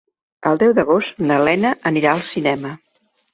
El deu d'agost na Lena anirà al cinema.